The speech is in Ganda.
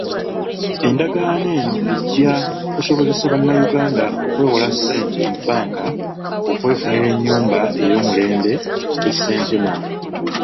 Endagaano eno ejja kusobozesa bannayuganda okwewola ssente mu bbanka okwefunira ennyumba ey'omulembe e Ssentema.